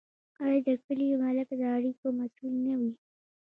آیا د کلي ملک د اړیکو مسوول نه وي؟